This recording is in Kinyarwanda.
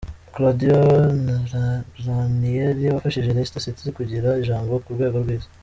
Claudio Ranieri wafashije Leicester City kugira ijambo ku rwego rw’isi